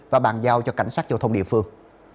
và bàn giao cho cảnh sát giao thông địa phương